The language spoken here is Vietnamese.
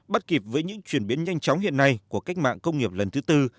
bắt kịp với những chuyển biến nhanh chóng hiện nay của cách mạng công nghiệp lần thứ tư